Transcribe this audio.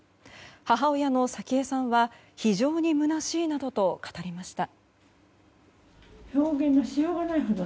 母親の早紀江さんは非常にむなしいなどと語りました。